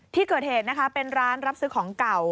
ที่เกิดเหตุนะคะเป็นร้านรับซื้อของเก่า